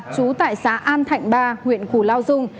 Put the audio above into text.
chú tại xã an thạnh ba huyện cù lao dung